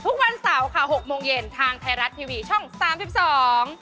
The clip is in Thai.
ทุกวันเสาร์ค่ะ๖โมงเย็นทางไทยรัฐทีวีช่อง๓๒